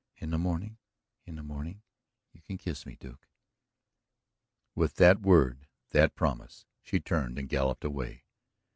"In the morning in the morning you can kiss me, Duke!" With that word, that promise, she turned and galloped away.